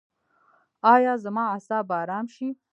ایا زما اعصاب به ارام شي؟